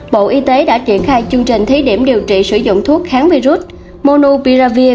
bộ y tế đã triển khai chương trình thí điểm điều trị sử dụng thuốc kháng virus monopiravir